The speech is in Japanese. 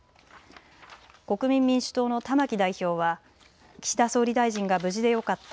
国民民主党の玉木代表は岸田総理大臣が無事でよかった。